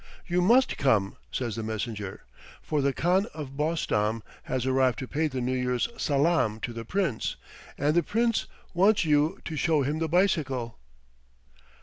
"You must come," says the messenger, "for the Khan of Bostam has arrived to pay the New Year's salaam to the Prince, and the Prince wants you to show him the bicycle."